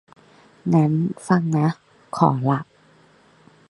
งั้นฟังนะ ขอล่ะ